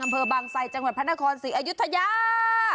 อำเภอบางไซจังหวัดพระนครศรีอยุธยา